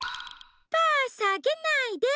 パーさげないで！